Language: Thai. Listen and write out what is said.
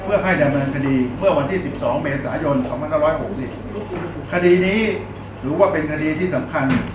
เพื่อให้ดำเนินคดีเมื่อวันที่สิบสองเมษายนของพระนักร้อยหกสิบคดีนี้ถือว่าเป็นคดีที่สำคัญ